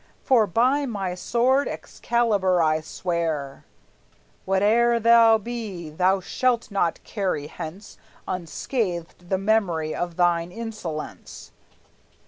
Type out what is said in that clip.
For by my sword Excalibur I swear, "Whate'er thou be, thou shalt not carry hence Unscathed the memory of thine insolence.